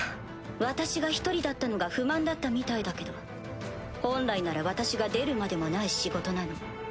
私が１人だったのが不満だったみたいだけど本来なら私が出るまでもない仕事なの。